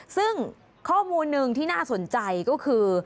ซึ่งข้อมูลหนึ่งที่น่าสนใจก็คือ